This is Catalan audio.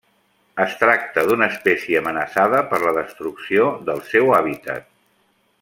Es tracta d'una espècie amenaçada per la destrucció del seu hàbitat.